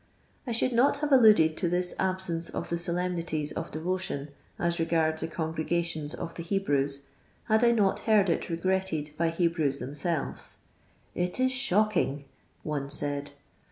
I should not have alluded to this absence of the solemnities of devotion, as regards the congrega tions of the Hebrews, had I not heard it regretted by Hebrews themselves. " It is shocking," one said.